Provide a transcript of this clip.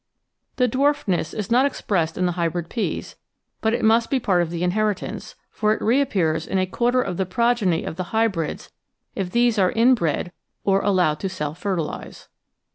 The dwarfness is not expressed in the hybrid peas, but it must be part of the inheritance, for it reappears in a quarter of the progeny of the hybrids if these are inbred or allowed to self fertilise.